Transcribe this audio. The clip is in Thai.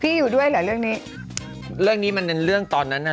อยู่ด้วยเหรอเรื่องนี้เรื่องนี้มันเป็นเรื่องตอนนั้นน่ะ